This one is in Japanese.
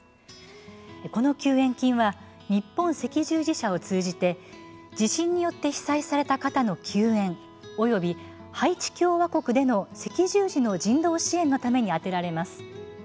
この救援金は日本赤十字社を通じて地震によって被災された方の救援、およびハイチ共和国での赤十字の人道支援のために充てられます。